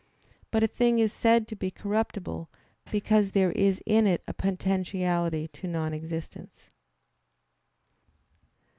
But a thing is said to be corruptible because there is in it a potentiality to non existence.